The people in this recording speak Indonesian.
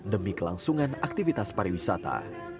demi kelangsungan aktivitas pariwisata